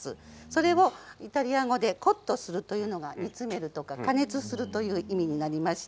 それをイタリア語でコットするというのが煮詰めるとか加熱するという意味になります。